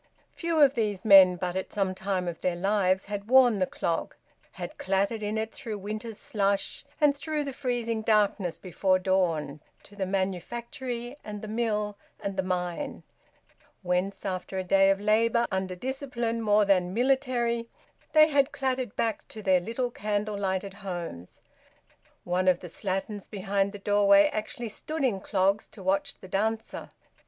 Few of these men but at some time of their lives had worn the clog, had clattered in it through winter's slush, and through the freezing darkness before dawn, to the manufactory and the mill and the mine, whence after a day of labour under discipline more than military, they had clattered back to their little candle lighted homes. One of the slatterns behind the doorway actually stood in clogs to watch the dancer.